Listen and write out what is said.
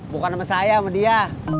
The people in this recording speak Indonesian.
bukan sama saya sama dia